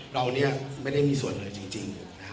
เราไม่ได้มีส่วนเลยจริง